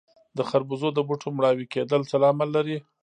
د خربوزو د بوټو مړاوي کیدل څه لامل لري؟